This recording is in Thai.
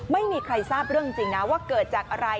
ไม่มีใครทราบเรื่องจริงนะว่าเกิดจากอะไร